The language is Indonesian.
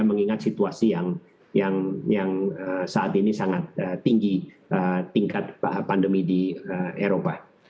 mengingat situasi yang saat ini sangat tinggi tingkat pandemi di eropa